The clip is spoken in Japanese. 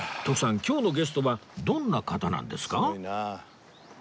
今日のゲストはどんな方なんですか？